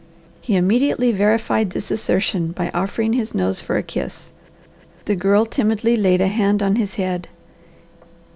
He immediately verified the assertion by offering his nose for a kiss. The girl timidly laid a hand on his head.